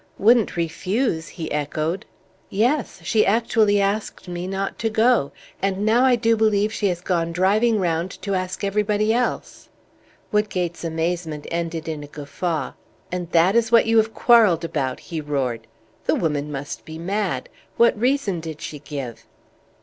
"Wouldn't refuse?" he echoed. "Yes. She actually asked me not to go; and now I do believe she has gone driving round to ask everybody else!" Woodgate's amazement ended in a guffaw. "And that is what you quarrelled about!" he roared. "The woman must be mad. What reason did she give?"